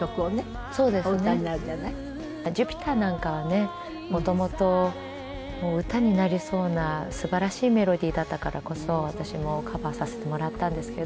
『Ｊｕｐｉｔｅｒ』なんかはね元々歌になりそうなすばらしいメロディーだったからこそ私もカバーさせてもらったんですけど。